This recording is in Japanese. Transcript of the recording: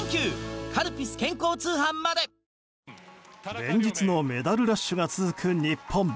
連日のメダルラッシュが続く日本。